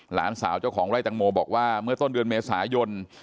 หลานสาวเจ้าของไร่แตงโมบอกว่าเมื่อต้นเดือนเมษายน